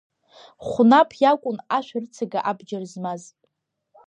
Ҳәнаԥ иакәын ашәарыцага абџьар змаз.